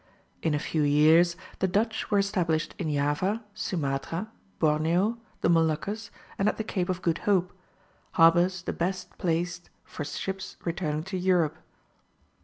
In a few years the Dutch were established in Java, Sumatra, Borneo, the Moluccas, and at the Cape of Good Hope, harbours the best placed for ships returning to Europe.